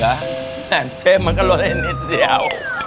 แทนเชฟมันก็ร้อนได้นิดเดียว